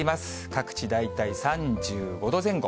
各地、大体３５度前後。